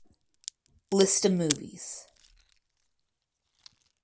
List of movies.